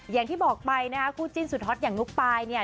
อย่างที่บอกไปนะคะคู่จิ้นสุดฮอตอย่างนุ๊กปายเนี่ย